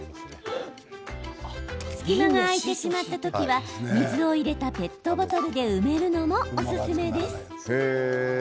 隙間が空いてしまった時は水を入れたペットボトルで埋めるのもおすすめです。